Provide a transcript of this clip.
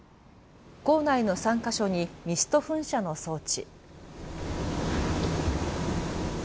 校内の３か所にミスト噴射の装置。